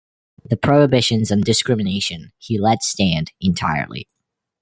The prohibitions on discrimination he let stand entirely.